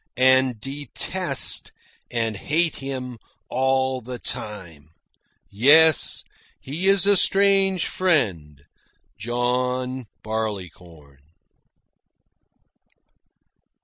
And detest and hate him all the time. Yes, he is a strange friend, John Barleycorn.